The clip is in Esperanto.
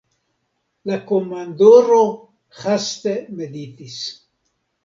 La komandoro haste meditis.